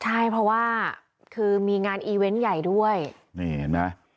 ใช่เพราะว่าคือมีงานอีเวนต์ใหญ่ด้วยนี่เห็นไหม